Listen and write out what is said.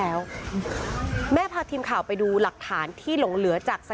คือตอนที่แม่ไปโรงพักที่นั่งอยู่ที่สพ